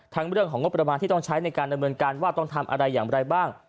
เรื่องของงบประมาณที่ต้องใช้ในการดำเนินการว่าต้องทำอะไรอย่างไรบ้าง